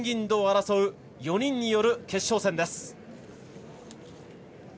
４人による決勝戦。